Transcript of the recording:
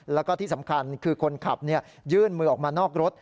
แล้วก็ที่สำคัญคือคนขับยื่นมือออกมานอกรถ